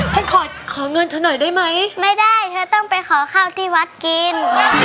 ฉันขอขอเงินเธอหน่อยได้ไหมไม่ได้เธอต้องไปขอข้าวที่วัดกิน